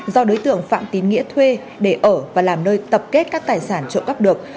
do đối tượng phạm tín nghĩa thuê để ở và làm nơi tập kết các tài sản trộm cắp được